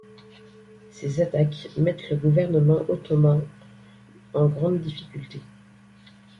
Ces attaques mettent le gouvernement ottoman en grande difficulté.